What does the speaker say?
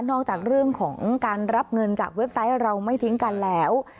จากเรื่องของการรับเงินจากเว็บไซต์เราไม่ทิ้งกันแล้ว